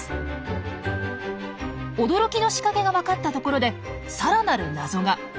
驚きの仕掛けがわかったところでさらなる謎が。